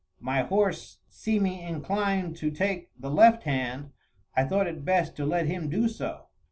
My horse seeming inclined to take the left hand, I thought it best to let him do so.